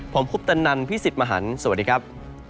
ผมคุปตันนันพี่สิทธิ์มหันฯสวัสดีครับ